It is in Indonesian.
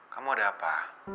kamu ada apa